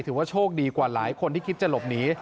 ถือว่าโชคดีกว่าหลายคนที่คิดจะหลบหนี